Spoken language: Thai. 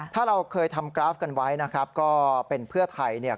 ถ้าเราเคยทำกราฟกันไว้นะครับก็เป็นเพื่อไทยเนี่ย